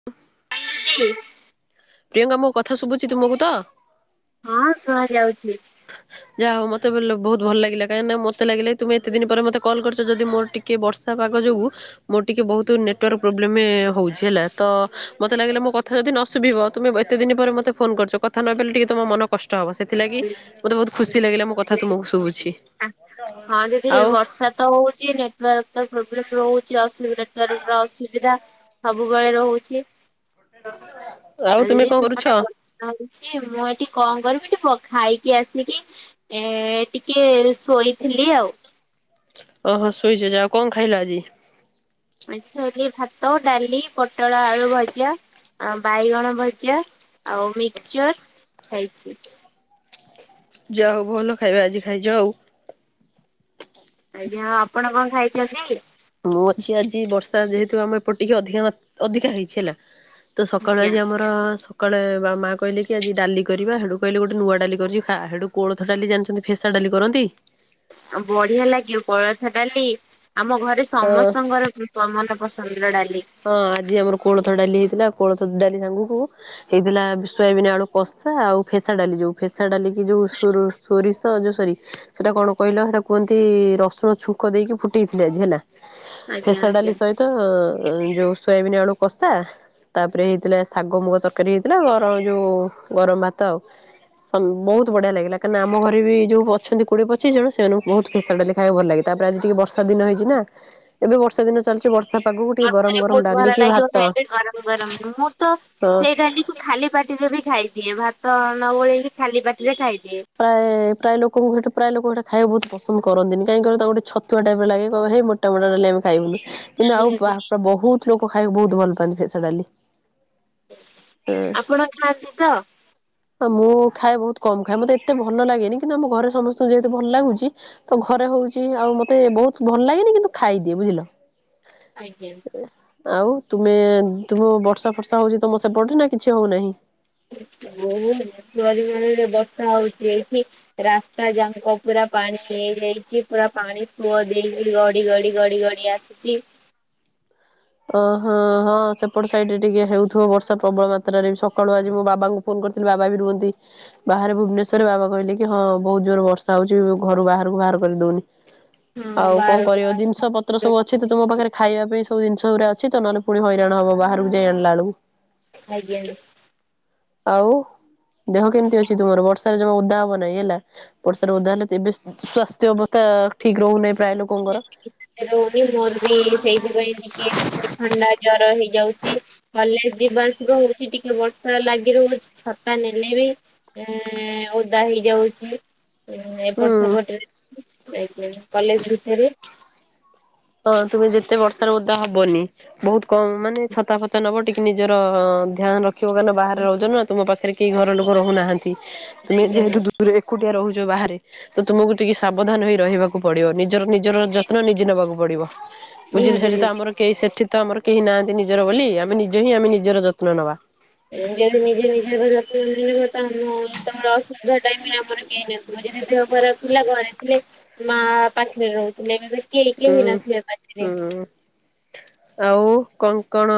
[inaudible] [unintelligible] ପ୍ରିୟଙ୍କା ମୋ କଥା ଶୁଭୁଛି ତୁମକୁ ତ। ହଁ ଶୁଣା ଯାଉଛି। ଯା ହଉ ମତେ ବହୁ ଭଲାଗିଲାଁ କହିକିନା ମତେ ଲାଗିଲା ତମେ ଏତେ ଦିନ ପରେ ମୋତେ କଲ୍ କରିଛ ଯଦି ମୋର ଟିକେ ବର ପାଗ ଯୋଗୁଁ। ମୋର ଟିକେ ବହୁତ ନେଟୱର୍କ ପ୍ରୋବ୍ଲେମ ହଉଛି ହେଲା ତ ମତେ ଲାଗିଲା ମୋ କଥା ଯଦି ନ ଶୁଭିବ ତୁମେ ଏତେ ଦିନ ପରେ ମୋତେ ଫୋନ କରିଛ କଥା ନ ପାଇଲେ ଟିକେ ତମ ମନ କଷ୍ଟ ହବ। ସେଥିଲାଗି ମତେ ବହୁତ ଖୁସି ଲାଗିଲା ମୋ କଥା ତୁମକୁ ଶୁଭୁଛି। ହଁ ଯଦି ଆଉ ବର୍ଷା ତ ହଉଛି ନେଟୱାର୍କ ତ ପ୍ରୋବ୍ଲେମ ରହୁଛି। କିଛି ଅସୁବିଧା ଅସୁବିଧା ସବୁବେଳେ ରହୁଛି। ଆଉ [unintelligible] ତୁମେ କଣ କରୁଛ? ଆଉ ମୁଁ ଏଠିକି କଣ କରିବି ଟିକେ ଖାଇକି ଆସିକି ଏ ଟିକେ କିିଏ ଶୋଇଥିଲି ଆଉ। ଓହୋ ଶୋଇଛ ଆଉ କଣ ଖାଇଲା ଆଜି? ଆଜି ଖାଇଲି ଭାତ ଡାଲି ପୋଟଳ ଆଳୁ ଭଜା। ଆ ବାଇଗଣ ଭଜା ଆଉ ମିକ୍ସଚର ହେଇଛି। ଯା ହଉ ଭଲ ଖାଇବା ଆଜି ଖାଇଛି ଆଉ। ଆଜ୍ଞା ଆପଣ କଣ ଖାଇଛନ୍ତି? ମୁଁ ଅଛି ଆଜି ବର୍ଷା ଯେହେତୁ ଆମ ଏପଟ ଟିକେ ଅଧିକା ଅଧିକା ହେଇଛି ହେଲା। ତ ସକାଳୁ ଆଜ୍ଞା। ଆଜି ଆମର କାଳେ ମା କହିଲେ କି ଆଜି ଡାଲି କରିବା ସେଡୁ ମୁ କହିଲି ଗୋଟେ ନୂଆ ଡାଲି କରିଛି ଖା ହେଡୁ କୋଳଥ ଡାଲି ଜାଣିଛନ୍ତି ସେ ଡାଲି କରନ୍ତି। ବଢିଆ ଲାଗିବ କୋଳଥ ଡାଲି ଆମ ଘରେ ହଁ ସମସ୍ତଙ୍କର ମନ ପସନ୍ଦର ଡାଲି। ହଁ ଆଜି ଆମର କୋଳଥ ଡାଲି ହେଇଥିଲା କୋଳଥ ଡାଲି ସାଙ୍ଗକୁ ହେଇଥିଲା ସୋୟାବିନ ଆଲୁ କଷା ଆଉ ଫେସା ଡାଲି ଯୋଉ ଫେସା ଡାଲି ଯୋଉ ସୋରିଷ ଯୋ ସରି ସେଟା କଣ କହିଲ ସେଇଟା କୁହନ୍ତି ରସୁଣ ଛୁଙ୍କ ଦେଇକି ଫୁଟେଇଥିଲେ ଆଜି ହେଲା। ଆଜ୍ଞା ଫେସା ଆଜ୍ଞା ଡାଲି ସହିତ ଯୋଉ ସୋୟାବିିନ ଆଳୁ କଷା। ତାପରେ ହେଇଥିଲା ଶାଗ ମୁଗ ତରକାରୀ ହେଇଥିଲା ଗର ଯୋଉ ଗରମ ଭାତ ଆଉ। ବହୁତ ବଢିଆ ଲାଗିଲା କି ଆମ ଘରେ ବି ଯୋଉ ଅଛନ୍ତି କୋଡିଏ ପଚିଶ ଜଣ ସେମାନଙ୍କୁ ବହୁତ ଫେସା ଡାଲି ଖାଇବାକୁ ଭଲ ଲାଗେ ତାପରେ ଆଜି ଟିକେ ବର୍ଷା ଦିନ ହେଇଛି ନା ଏବେ ବର୍ଷା ଦିନ ଚାଲୁଛି ବର୍ଷା ପାାଗକୁ ବର୍ଷରେ ବହୁତ ଭର ଲାଗିବ ଖାଇଲେ ଗରମ ଗରମ ମୁଁ ତ ହଁ ସେଇଟା ହି ଖାଲି ପାଟିରେ ବି ଖାଇଦିଏ ଭାତ ନ ଗୋଳେଇକି ଖାଲି ପାଟିରେ ଖାଇଦିଏ। ପ୍ରାୟ ପ୍ରାୟ ଲୋକଙ୍କୁ ସେଇଟା ପ୍ରାୟ ଲୋକ ସେଟା ଖାଇକୁ ବହୁତ ପନ୍ଦନ୍ତ କରନ୍ତିନି, କାଇଁ କହିଲ ତାଙ୍କୁ ଟିକେ ଛତୁଆ ଟାଇପ ର ଲାଗେ, କହିବେ ହେ ମୋ ଟ ମିରଲେ ଆମେ ଖାଇବୁନୁ କିନ୍ତୁ ଆଉ ବା ବହୁତ ଲୋକ ଖାଇବାକୁ ବହୁତ ଭଲ ପାଆନ୍ତି ପ୍ରେସର ଡାଲି, ହୁଁ। ଆପଣ ଖାଆନ୍ତି ତ? ଆଉ ମୁଁ ଖାଏ ବହୁତ କମ ଖାଏ ମୋତେ ଏତେ ଭଲ ଲାଗେନି କିନ୍ତୁ ଆମ ଘରେ ସମସ୍ତଙ୍କୁ ଯେହେତୁ ଭଲ ଲାଗୁଛି ତ ଘରେ ହଉଚି ଆଉ ମତେ ବହୁତ ଭଲ ଲାଗେନି କିନ୍ତୁ ଖାଇଦିଏ ବୁଝିଲ। ଆଜ୍ଞା। ଆଉ ତୁମେ ତୁମ ବର୍ଷା ଫର୍ଷା ହଉଛି ତମ ସେପଟେ ନା କିଛି ହଉନାହିଁ? ବହୁତ ପରିମାଣରେ ବର୍ଷା ହଉଛି ଏଇଠି। ରାସ୍ତା ଯାକ ପୁରା ପାଣି ହେଇ ଯାଇଛି ପୁରା ପାଣି ସୁୁଅ ଦେଇ ଗଡି ଗଡି ଗଡି ଗଡି ଆସି ଛି ଓହୋ ହଁ ସେପଟେ ସାଇଡ଼ରେ ଟିକେ ହେଉଥିବ ବର୍ଷା ପ୍ରବଳ ମାତ୍ରାରେ ସକାଳୁ ଆଜି ମୋ ବାବାଙ୍କୁ ଫୋନ କରିଥିଲି ବାବା ବି ରୁହନ୍ତି। ବାହାରେ ଭୁବନେଶ୍ବରେ ବାବା କହିଲେ କି ହଁ ବହୁତ ଜୋର ବର୍ଷା ହଉଛି ଘରୁ ବାହାରକୁ ବାହାର କରିଦଉନି। ହଁ ଆଉ କଣ ବାହାରକୁ କରିବ ଜିନିଷ ପତ୍ର ସବୁ ଖାଇ ଅଛି ତ ତୁମ ପାଖରେ ଖାଇବା ପାଇଁ ସବୁ ଜିନିଷ। ସବୁରେ ଅଛି ତ ନହେଲେ ପୁଣି ହଇରାଣ ହବ ବାହାରକୁ ଯାଇ ଆଣଲା ବେଳକୁ। ଆଜ୍ଞା। ଆଉ ଦେହ କେମିତି ଅଛି ତୁମର ବର୍ଷାରେ ଜମା ଓଦା ହବ ନାହିଁ ହେଲା? ଵର୍ଷାରେ ଓଦା ହେଲେ ତ ଏବେ ସ୍ୱାସ୍ଥ୍ୟ ଅବସ୍ଥା ଠିକ ରହୁନାହିଁ ପ୍ରାୟ ଲୋକଙ୍କର। ରହୁନି ମୋର ବି ସେଇଥିପାଇଁ ଟିକେ ଥଣ୍ଡା ଜର ହେଇଯାଉଚି। କଲେଜ ଯିବା ଆସିବା ହଉଛି ଟିକେ ବର୍ଷା ଲାଗି ରହୁଛି ଛତା ନେଲେ ବି ଏଁ ଓଦା ହେଇଯାଉଛି ହୁଁ। ଏପଟ ସେପଟରେ। ଏବେଳେ କଲେଜ [unintelligible] ତ ତୁମେ ଯେତେ ବର୍ଷାରେ ଓଦା ହବନି। ବହୁତ କମ ମାନେ ଛତା ଫତା ନବ ଟିକେ ନିଜର ଧ୍ୟାନ ରଖିବ କାଇଁନା ବାହାରେ ରହୁଚନା ତମ ପାଖରେ କେହି ଘର ଲୋକ ରହୁନାହାନ୍ତି ତୁମେ ଆଜ୍ଞା ଯେହେତୁ ଏକୁଟିଆ ରହୁଛ ବାହାରେ ତ ତୁମକୁ ଟିକେ ସାବଧାନ ହେଇ ରହିବା କୁ ପଡିବ ନିଜର ନିଜର ଯତ୍ନ ନିଜେ ନେବାକୁ ପଡିବ ବୁଝିଲେ ନିହାତି ସେଠି ଆମ ଦିଦି। ଆମର କେହି ସେଠି ତ ଆମର କେହି ନାହାଁନ୍ତି ନିଜର ବୋଲି ଆମେ ନିଜେ ହିଁ ଆମେ ନିଜର ଯତ୍ନ ନେବା। ଯଦି ନିଜେ ନିଜର ଯତ୍ନ ଯଦି ନବ ତମ ତମର ଅସୁବିଧା ଟାଇମ ରେ ଆମର କେହିଁ ନା ମୋ ଯଦି ଦେହ ଖରାପ ଥିଲା ଘରେ ଥିଲି ମା ପାଖରେ ରହୁଥିଲେ ଏବେ ବି କେହି ହୁଁ କେହି ନଥିଲେ ପାଖରେ। ହୁଁ ଆଉ କଣ କଣ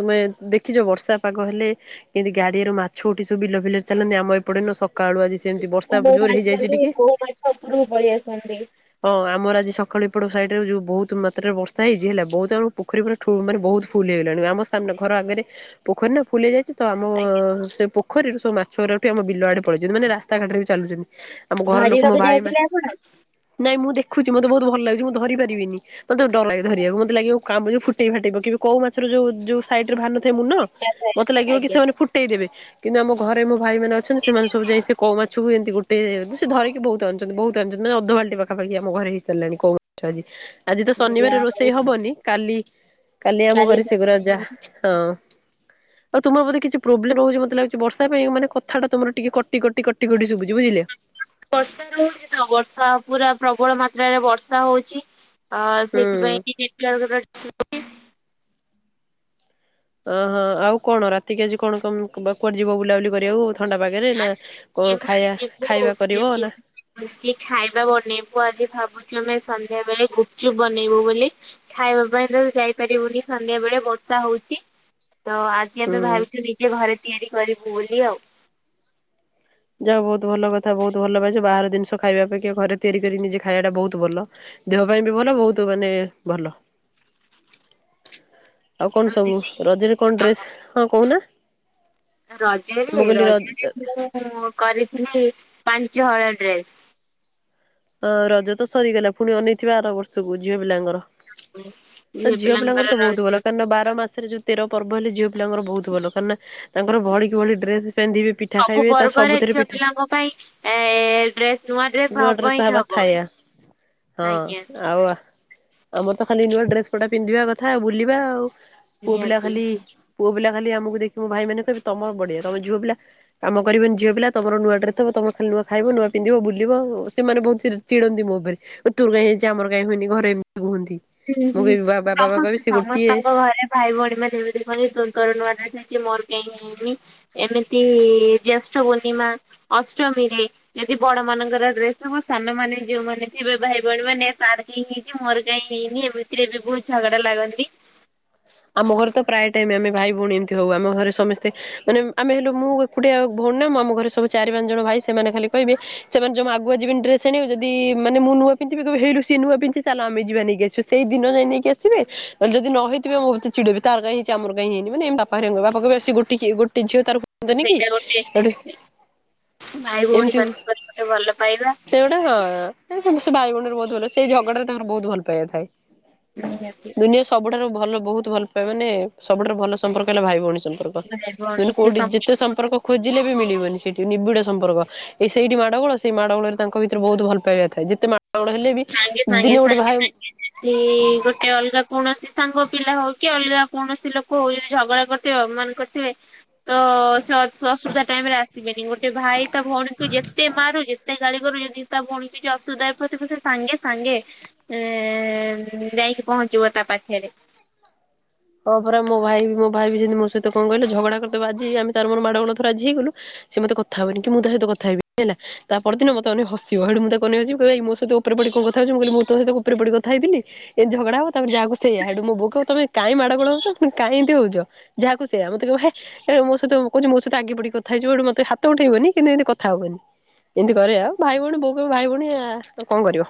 ତୁମେ ଦେଖିଛ ବର୍ଷା ପାଗ ହେଲେ? କେନ୍ତି ଗାଡିଆରେ ମାଛ ଉଠି ସବୁ ବିଲ ଫିଲରେ ଚାଲନ୍ତି ଆମ ଏପଟେ ନ ସକାଳୁ ଆଜି ସେମିତି ବର୍ଷା କୋଉ ଜୋର ମାଛ ହେଇଯାଇଛି ଟିକେ କୋଉ ମାଛ ଉପରକୁ ପଳେଇଆସନ୍ତି। ହଁ ଆମର ଆଜି ସକାଳେ ଏପଟ ସାଇଡରେ ଯଉ ବହୁତ ମାତ୍ରାରେ ବର୍ଷା ହେଇଛି ହେଲା ବତ ଆମ ପୋଖରି ମାନେ ବହୁତ୍ ଫୁଲ ହେଇଗଲାଣି। ସାମ୍ନା ଘର ଆଗରେ ପୋଖରୀ ନା ଫୁଲ ହେଇଯାଇଛି। ତ ଆମ ଆଜ୍ଞା। ସେ ପୋଖରୀରୁୁ ସବୁ ମାଛ ଉରା ଉଠି ଆମ ବିଲ ଆଡେ ପଳେଇଛନ୍ତି ମାନେ ରାସ୍ତାଘାଟରେ ବି ଚାଲୁଛନ୍ତି। ଆମ ଘର ଲୋକ ମୋ ଧରିବାକୁ ଭାଇ ମା, ଯାଇଥିଲେ ଆପଣ? ନାଇଁ ମୁଁ ଦେଖୁଛି ମତେ ବହୁତ ଭଲ ଲାଗୁଛି ମୁଁ ଧରି ପାରିବିନି। ମତେ ଡର ଲାଗେ ଧରିବାକୁ ମତେ ଲାଗିବ କାମ ଫୁଟେଇ ଫାଟେଇ ପକେଇବେ କୋଉ ମାଛର ଯୋଉ ଯୋଉ ସାଇଡ ରେ ଭାର ନ ଥାଏ ମୁନ। ମତେ ଲାଗିବ କି ଆଜ୍ଞା ସେମାନେ ଫୁଟେଇ ଦେବେ। କିନ୍ତୁ ଆମ ଘରେ ମୋ ଭାଇମାନେ ଅଛନ୍ତି ସେମାନେ ସବୁ ଯାଇ ସେ କଉ ମାଛକୁ ଏମିତି ସେ ଧରିକି ବହୁତ ଅଣିଛନ୍ତି ବହୁତ ଆଣିଛନ୍ତି ନା ଅଧବାଲଟି ପାଖାପାଖି ଆମ ଘରେ ହେଇସାରିଲାଣି କଉ ମାଛ ଆଜି। ଆଜି ତ ଶନିବାର ଯାହା ରୋଷେଇ ହଉ ହବନି କାଲି କାଲି ଆମ ଘରେ ସେଘୁରା ଯା ହଁ। ଆଉ ତୁମ ବୋଧେ କିଛି ପ୍ରୋବ୍ଲେମ ରହୁଛି ମତେ ଲାଗୁଛି ବର୍ଷା ପାଇଁ ମାନେ କଥାଟା ତମର ଟିକେ କଟି କଟି କଟି କଟି ଶୁଭୂଚି ବୁଝିଲେ। ବର୍ଷା ରହୁଚି ତ ବର୍ଷା ପୁରା ପ୍ରବଳ ମାତ୍ରାରେ ବର୍ଷା ହଉଚି। ଅ, ହୁଁ। ସେଥିପାଇଁ [inaudible] ଅ, ହଁ ଆଉ କଣ ରାତିକି ଆଜି କଣ କମ୍ କ- ବା କୁଆଡେ ଯିବ ବୁଲାବୁଲି କରିବାକୁ ଥଣ୍ଡା ପାାଗରେ? ନା କଣ ଖାଇବା, ଖାଇବା କରିବ ନା ମିଶି ଖାଇବା ବନେଇବୁ ଆଜି ଭାବୁଛୁ ଆମେ ସନ୍ଧ୍ୟା ବେଳେ ଗୁପଚୁପ୍ ବନେଇବୁ ବୋଲି। ଖାଇବା ପାଇଁ ତ ଯାଇପାରିବୁନି ସନ୍ଧ୍ୟା ବେଳେ ବର୍ଷା ହଉଛି। ତ ଆ ଜି ହୁଁ। ଆମେ ଭାବିଛୁ ନିଜେ ଘରେ ତିଆରି କରିବୁ ବୋଲି ଆଉ। ଯା ହଉ ବହୁତ ଭଲ କଥା ବହୁତ ଭଲ ଭାବିଛ ବାହାର ଦିନିଷ ଖାଇବା ଅପେକ୍ଷା ଘରେ ତିଆରି କରି ନିଜେ ଖାଇବାଟା ବହୁତ ଭଲ। ଦେହ ପାଇଁ ବି ଭଲ ବହୁତ ମାନେ ଭଲ। ଆଉ କଣ ସବୁ ରଜରେ କଣ ଆପଣ ଡ୍ରେସ୍ ହଁ କହୁନା ରଜରେ ମୁଁ କହିଲି ର ରଜରେ ମୁଁ କରିଥିଲି ପାଞ୍ଚ ହଳ ଡ୍ରେସ୍। ଅଁ, ରଜ ତ ସରିଗଲା ପୁଣି ଅନେଇଥିବା ଆର ବର୍ଷକୁ ଝିଅ ପିଲାଙ୍କର। ତ ଝିଅ ପିଲାଙ୍କର ତ ବହୁତ ଭଲ କାରଣ ନା ବାର ମାସ ରେ ଯୋଉ ତେର ପର୍ବ ହେଲେ ଝିଅ ପିଲାଙ୍କର ବହୁତ ଭଲ। କାରଣ ନା ତାଙ୍କର ଭଳିିକି ଭଳି ଡ୍ରେସ୍ ପିନ୍ଧିବେ ପିଠା ଖାଇବେ ତା ସବୁଥିରେ ପିଠା ମୋ ପାଇଁ ଏ ଡ୍ରେସ୍ ନୂଆ ଡ୍ରେ ନୂଆ ଡ୍ରେସ୍ ତ ହବା ଥାୟ ହଁ ଆଜ୍ଞା ଆଉ ଆମର ତ ଖାଲି ନୂଆ ଡ୍ରେସ୍ ପଟା ପିନ୍ଧିବା କଥା ଆଉ ବୁଲିବା ଆଉ। ପୁଅ ପିଲା ନିହାତି। ଖାଲି ପୁଅ ପିଲା ଖାଲି ଆମକୁ ଦେଖି ମୋ ଭାଇ ମାନେ କହିବେ ତୋମର ବଢିଆ। ତୋମେ ଝିଅ ପିଲା କାମ କରିବନି ଝିଅ ପିଲା ତୋମର ନୂଆ ଡ୍ରେସ୍ ହବ, ତୋମ ଖାଲି ନୂଆ ଖାଇବ ନୂଆ ପିନ୍ଧିବ। ବୁଲ ବୁଲିବ ଆଉ, ସେମାନେ ବହୁତ ଚିର୍ ଚିଡନ୍ତି ମୋ ଉପରେ। ଓ ତୋର କାଇଁ ହେଇଚି ଆମର କାଇଁ ହୋଇନି ଘରେ ଏମିତି କୁହନ୍ତି। ହୁଁ, ମୁଁ ହୁଁ କହିବି ବାବା ମାମା କହିବେ ସମସ୍ତେ ସେ ଗୋଟିଏ ସମସ୍ତଙ୍କ ଘରେ ଭାଇ ଭଉଣୀମାନେ ଏମିତି ହିଁ କହିବେ ତୋର କଣ ନୂଆ ଡ୍ରେସ୍ ହେଇଛି ମୋର କାଇଁ ହେଇନି। ଏମିତି ଜ୍ୟେଷ୍ଠ ପୂର୍ଣ୍ଣିମା, ଅଷ୍ଟମୀରେ। ଯଦି ବଡ ମାନଙ୍କର ଡ୍ରେସ୍ ହବ ସାନମାନେ ଯୋଉ ମାନେ ଥିବେ ଭାଇ ଭଉଣୀ ମାନେ ତାର କାଇଁ ହେଇଚି ମୋର କାଇଁ ହେଇନି ଏମିତିରେ ବି ବହୁତ ଝଗଡା ଲାଗନ୍ତି। ଆମ ଘରେ ତ ପ୍ରାୟ ଟାଇମ୍ ଆମେ ଭାଇ ଭଉଣୀ ଏମିତି ହଉ। ଆମ ଘରେ ସମସ୍ତେ ମାନେ ଆମେ ହେଲୁ ମୁଁ ଏକୁଟିଆ ଭଉଣୀ ନା। ମୁଁ ଆମ ଘରେ ସବୁ ଚାରି ପାଞ୍ଚ ଜଣ ଭାଇ ସେମାନେ ଖାଲି କହିବେ ସେମାନେ ଜମା ଆଗୁଆ ଯିବେନି ଡ୍ରେସ୍ ଆଣିବାକୁ, ଯଦି ମାନେ ମୁଁ ନୂଆ ପିନ୍ଧିବି କହିବେ ହେଇଲୋ ସିଏ ନୂଆ ପିନ୍ଧିଚି ଚାଲ ଆମେ ଯିବା ନେଇକି ଆସିବା। ଛୁ, ସେଇ ଦିନ ଯାଇ ନେଇକି ଆସିବେ, ମାନେ ଯଦି ନହେଇ ଥିବେ ମୋତେ ଚିଡିବି ତାର କାଇଁ ହେଇଛି ଆମର କାଇଁ ହେଇନି। ମାନେ ଏମତି ବାପା ହେରିକାଙ୍କୁ କହିବେ। ବାପା କହିବେ ଆ, ସିଏ ଗୋଟିକିଏ ଗୋଟେ ଝିଅ ତାର [inaudible] ତ ସେଇଟା ଗୋଟିଏ ଭାଇ ଭଉଣୀ ମାନଙ୍କରେ ଗୋଟେ ଭଲ ପାଇବା। ସେଉଡା ହଁ ଏ ସେ ସେ ଭାଇ ଭଉଣୀରେ ବହୁତ ଭଲ, ସେଇ ଝଗଡାରେ ତାଙ୍କର ବହୁତ ଭଲ ପାଇବା ଥାଏ। ନିହାତି। ନେ ସବୁଠାରୁ ଭଲ ବହୁତ ଭଲ ପାଏ ମାନେ ସବୁଠାରୁ ଭଲ ସମ୍ପର୍କ ହେଲା ଭାଇ ଭଉଣୀ ସମ୍ପର୍କ। ଭାଇ ମାନେ ଭଉଣୀ ସେ କୋଉଠି ସମ ଯେତେ ସମ୍ପର୍କ ଖୋଜିଲେ ବି ମିଳିବନି ସେଠି ନିବିଡ ସମ୍ପର୍କ। ଏଇ ସେଇଠି ମାଡ଼ ଗୋଳ ସେଇ ମାଡ଼ ଗୋଳରେ ତାଙ୍କ ଭିତରେ ବହୁତ ଭଲ ପାଇବା ଥାଏ। ଯେତେ ମାଡ଼ ଗୋଳ ହେଲେ ବି ସାଙ୍ଗେ ସାଙ୍ଗେ ଦିନେ ଗୋଟେ ସାଙ୍ଗେ ଭାଇ ସାଙ୍ଗେ ଯଦି ଗୋ ସେ ଅଲଗା କୌଣସି ସାଙ୍ଗ ପିଲା ହଉ କି ଅଲଗା କୌଣସି ଲୋକ ହଉ ଯଦି ଝଗଡା କରିଥିବେ ଅଭିମାନ କରିଥିବେ। ତ ସ-ସ-ଅସୁବିଧା ଟାଇମ୍ ରେ ଆସିବେନି ଗୋଟେ ଭାଇ ତା ଭଉଣୀକୁ ଯେତେ ମାରୁ ଯେତେ ଗାଳି କରୁ ଯଦି ତା ଭଣଣୀ କିଛି ଅସୁବିଧାରେ ପଡିଥିବ ସେ ସାଙ୍ଗେ ସାଙ୍ଗେ ଏ, ଉଁ, ଯାଇକି ପହଞ୍ଚିବ ତା ପାଖରେ। ହଁ ପରା ମୋ ଭାଇ ବି ମୋ ଭା ବି ସେମିତି ମୋ ସହିତ କଣ କହିଲ ଝଗଡା କରିଦବ ଆଜି ଆମେ ତାର ମୋର ମାଡଗୋଳ ଧର ଆଜି ହେଇଗଲୁ। ସିଏ ମୋତେ କଥା ହବନି କି ମୁଁ ତା ସହିତ କଥା ହେବିନି ହେଲା। ତା ପରଦିନ ମୋତେ ଅନେଇ ହସିବ। ସେଉଠୁ ମୁଁ ତାକୁ ଅନେଇବା ଯିବି କହିବ ଏଇ ମୋ ସହି ଉପରେ ପଡି କଣ କଥା ହଉଚୁ? ମୁଁ କହିଲି ମୁଁ ତ ସହିତ ଉପରେ ପଡି କଥା ହେଇଥିଲି। ଏମତି ଝଗଡା ହବ ତାପରେ ଯାହାକୁ ସେଇଆ। ସେଉଠୁ ମୋ ବୋଉ କହିବ ତୋମେ କାଇଁ ମାଡ ଗୋଳ ହଉଛ ପୁଣି କାହିଁ ଏମିତି ହଉଚ, ଯାହାକୁ ସେଇଆ। ମୋତେ କହିବ ହେ ଏ ମୋ ସହିତ କହୁଛି ମୋ ସହିତ ଆଗେ ପଡିକି କଥା ହେଇଯିବ, ସେଉଠୁ ମୋତେ ହାତ ଉଠେଇବନି କିନ୍ତୁ ଏମିତି କଥା ହବନି। ଏମିତି କରେ ଆଉ ଭାଇ ଭଉଣୀ ବୋଉ ଭାଇ ଭଉଣୀଉ କଣ କରିବ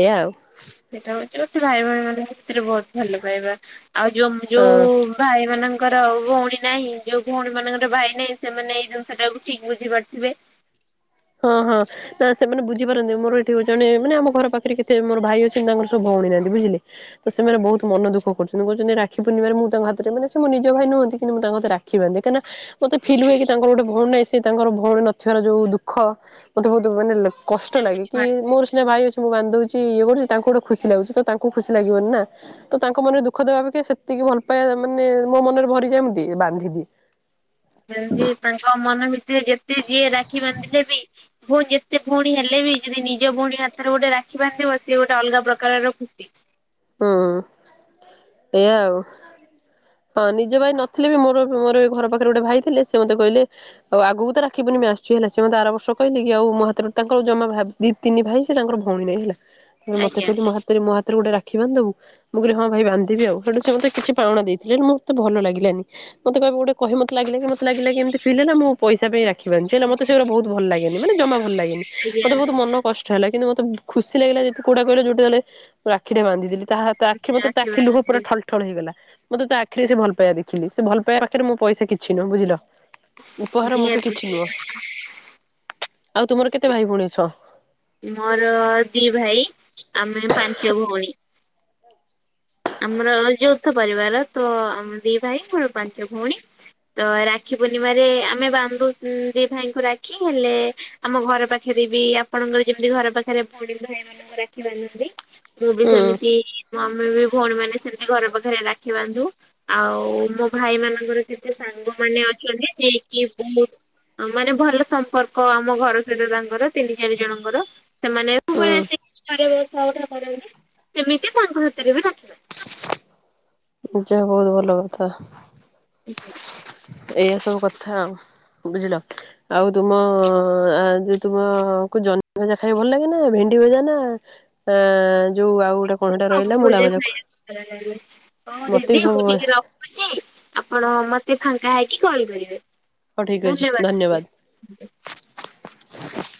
ଏଇଆ ଆଉ। ସେଇଟା ହଉଛି ମୋ ଭାଇ ଭଉଣୀ ମ ସେଥିରେ ବହୁତ ଭଲ ପାଇବା ଆଉ ଯୋଉ ହଁ। ଯୋଉ ଭାଇ ମାନଙ୍କର ଭଉଣୀ ନାହିଁ ଯୋଉ ଭଉଣୀ ମାନଙ୍କର ଭାଇ ନାହିଁ ସେମାନେ ଏଇ ଜିନିଷ ଟାକୁ ଠିକ ବୁଝି ପାରୁଥିବେ। ହଁ ହଁ। ନା ସେମାନେ ବୁଝିପାରନ୍ତି ମୋର ଏଠିଉ ଜଣେ ମାନ ଆମ ଘର ପାଖରେ କେତେ ମୋର ଭାଇ ଅଛନ୍ତି ତାଙ୍କର ସବୁ ଭଉଣୀ ନାହାନ୍ତି ବୁଝିଲେ? ତ ସେମାନେ ବହୁତ ମନ ଦୁଃଖ କରୁଛନ୍ତି କହୁଛନ୍ତି ରାକ୍ଷୀ ପୂର୍ଣ୍ଣିମୀରେ ମୁଁ ତାଙ୍କ ହାତରେ ମାନେ ସେ ମୋ ନିଜ ଭାଇ ନୁହନ୍ତି କି ମୁଁ ତାଙ୍କ ହାତରେ ରାକ୍ଷୀ ଦେଖିଆନ୍ତି କାହିଁକି ମତେ ଫିଲ ହୁଏ କି ତାଙ୍କର ଗୋଟେ ଭଉଣୀ ନାଇଁ ସେ ତାଙ୍କର ଭଉଣୀ ନଥିବାର ଯଉ ଦୁ ଖ ମତେ ବହୁତ ମାନେ କଷ୍ଟ ଲାଗେ କି ଯେମିତି ମୋର ସିନା ଭାଇ ଅଛି ମୁଁ ବାନ୍ଧି ଦଉଛି ଇଏ କରୁଛି ତାଙ୍କୁ ଗୋଟେ ଖୁସି ଲାଗୁଛି ତ ତାଙ୍କୁ ଖୁସି ଲାଗିବନି ନା। ତ ତାଙ୍କ ମନରେ ଦୁଃଖ ଦେବା ଅପେକ୍ଷା ସେତିକି ଭଲ ପାଇବା ମାନେ ମୋ ମନରେ ଭରିଯା ଦିଏ ଏମିତି ବାନ୍ଧେ। [unintelligible] ହ ମନ ଭିତରେ ଯେତେ ଯିଏ ରାକ୍ଷୀ ବାନ୍ଧିଲେ ବି ଭଉଣୀ ଯେତେ ଭଉଣୀ ହେଲେ ବି ଯଦି ନିଜ ଭଉଣୀ ହାତରେ ଗୋଟେ ରାଖି ବାନ୍ଧିବ ସେ ଗୋଟେ ଅଲଗା ପ୍ରକାରର ଖୁସି। ହୁଁ ଏଇଆ ଆଉ। ହଁ ନିଜ ଭାଇ ନଥିଲେ ବି ମୋର ମୋର ଘର ପାଖରେ ଗୋଟେ ଭାଇ ଥିଲେ ସେ ମତେ କହିଲେ ଆଉ ଆଗକୁ ତ ରାକ୍ଷୀ ପୂର୍ଣିମା ଆସୁଛି ହେଲା ସେ ମତେ ଆର ବର୍ଷ କହିଲେ କି ଆଉ ମ ହାତରେ ତାଙ୍କର ଯ ଜମା ଭାବି ଦି ତିନି ଭାଇ ସେ ତାଙ୍କର ଭଉଣୀ ନାଇଁ ହେଲା ମତେ ଆଜ୍ଞା କହିଲେ ମୋ ହାତରେ ମୋ ହାତରେ ଗୋଟେ ରା ଦେଖିବା ବାନ୍ଧିବୁ ମୁଁ କହିଲି ହଁ ଭାଇ ବାନ୍ଧିବି ଆଉ ସେଠୁ ସେ ମତେ କିଛି ପାଉଣା ଦେଇଥିଲେ ମୋତେ ଭଲ ଲାଗିଲାନି। ମତେ କାହାକୁ ଗୋଟେ କହି ମତେ ଲାଗିଲା ମତେ ଲାଗିଲା କେମିତି ଫିଲ୍ ହେଲା ମୁଁ ପଇସା ପାଇଁଁ ରାକ୍ଷୀ ବାନ୍ଧୁଛି ହେଲା ମତେ ସେଗୁରା ବହୁତ ଭଲ ଲାଗେନି ମାନେ ଜମା ଭଲ ଲାଗେନି ମତେ ବହୁତ ମନ କଷ୍ ହେଲା କିନ୍ତ ମୋତେ ଖୁସି ଲାଗିଲା ଯେତି କୋଉଟା କହିଲ ଯୋଉଟଲେ ମୁ ରାକ୍ଷୀଟା ବାନ୍ଧି ତାହା ରାକ୍ଷୀ ଆଜ୍ଞା [unintelligible] ଲୁହ ପାଠଲ। ଠଳ ହେଇଗଲା ମତେ ତା ଆଖରେ ସେ ଭଲ ପାଇବା ଦେଖିଲି ସେ ଭଲ ପାଇବା ପାଖରେ ମୋ ପଇସା କିଛି ନୁହଁ ବୁଝିଲ? ଉପହାର ମୋ ପାଇଁ ନିହାତି କିଛି ନୁହଁ ଆଉ ତୁମର କେତେ ଭାଇ ଭଉଣୀ ଅଛ? ମୋର ଦିଇ ଭାଇ ଆମେ ପାଞ୍ଚ ଭଉଣୀ। ଆମର ଯୌଥ ପରିବାର ତ ଆମ ଦି ଭାଇ ମୋର ପାଞ୍ଚ ଭଉଣୀ। ତ ରାକ୍ଷୀ ପୂର୍ଣ୍ଣିମାରେ ଆମେ ବାନ୍ଧୁ ଦି ଭାଇଙ୍କୁ ରାକ୍ଷୀ ହେଲେ ଆମ ଘର ପାଖରେ ବି ଆପଣଙ୍କର ଯେମିତି ଘର ପାଖରେ ଭଉଣୀ ଭାଇ ମାନଙ୍କୁ ରାଖି ବାନ୍ଧନ୍ତି ମୁଁ ବି ହୁଁ ସେମିତି ମମି ବି ଭଉଣୀ ମାନେ ସେମିତି ଘର ପାଖରେ ରାକ୍ଷୀ ବାନ୍ଧୁ। ଆଉ ମୋ ଭାଇ ମାନଙ୍କର କେତେ ସାଙ୍ଗ ମାନେ ଅଛନ୍ତି ଯକି ବହୁତ। ମାନେ ଭଲ ସମ୍ପର୍କ ଆମ ଘର ସହିତ ତାଙ୍କର ତିନି। ଚାରି ଜଣଙ୍କର ସେମାନେ ସବ ଭଳି ହୁଁ ଆସ। [unintelligible] ସେମିତି ତାଙ୍କ ହାତରେ ବି ରଖିବା। ପୂଜା ବହୁତ ଭଲ କଥା। ବାନ୍ଧି ଏଇଆ ସବୁ କଥା ଆଉ। ବୁଝିଲ? ଆଉ ତୁମ ଯ ତୁମକୁ ଜହ୍ନି ଭଜା ଖାଇବା ଭଲ ଲାଗେ ନା ଭେଣ୍ଡି ଭଜା ନା ନା ଯୋଉ ଆଉ ଗୋଟେ କଣ ହେଟା [unintelligible] ରହିଲା ମୂଳା ରଖୁଛି। ଭଜା ମତେ ବି ସବୁ ଆପଣ ମତେ ଫାଙ୍କା ହେଇକି କଲ କରିବେ? ହଉ ଠିକ୍ ଅଛି ଧନ୍ୟବାଦ।